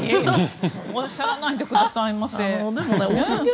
そうおっしゃらないでください。